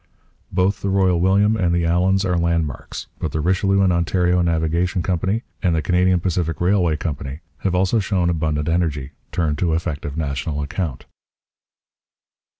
Both the Royal William and the Allans are landmarks. But the Richelieu and Ontario Navigation Company and the Canadian Pacific Railway Company have also shown abundant energy; turned to effective national account.